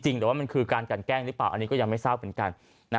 หรือว่ามันคือการกันแกล้งหรือเปล่าอันนี้ก็ยังไม่ทราบเหมือนกัน